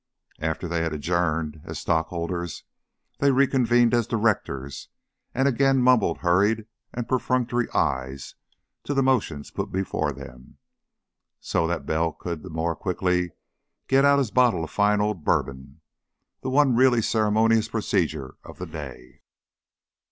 After they had adjourned as stockholders they reconvened as directors, and again mumbled hurried and perfunctory ayes to the motions put before them, so that Bell could the more quickly get out his bottle of fine old Bourbon, the one really ceremonious procedure of the day.